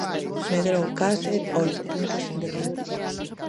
Medrou case oito puntos en dez anos.